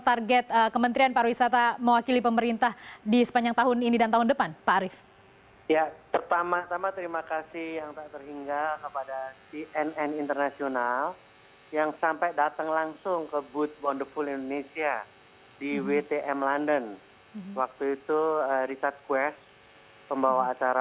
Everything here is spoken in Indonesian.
pada dua ribu tujuh belas kementerian parwisata menetapkan target lima belas juta wisatawan mancanegara yang diharapkan dapat menyumbang devisa sebesar empat belas sembilan miliar dolar amerika